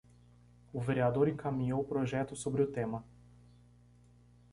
O vereador encaminhou projeto sobre o tema